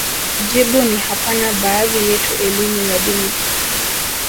jibu ni hapana Baadhi yetu elimu ya dini